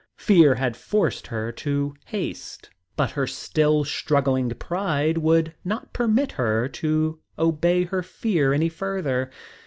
Fear had forced her to haste, but her still struggling pride would not permit her to obey her fear any further.